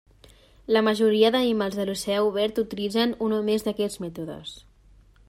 La majoria d'animals de l'oceà obert utilitzen un o més d'aquests mètodes.